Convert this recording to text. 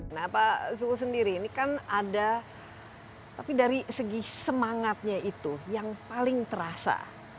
nah pak zul sendiri ini kan ada tapi dari segi semangatnya itu yang paling terasa